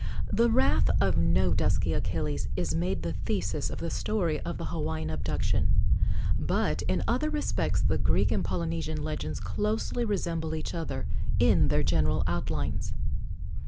The wrath of no dusky Achilles is made the thesis of the story of the Hawaiian abduction, but in other respects the Greek and Polynesian legends closely resemble each other in their general outlines.